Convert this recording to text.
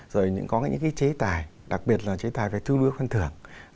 rồi có những cái chế tài đặc biệt là chế tài về thu đuốc phân thưởng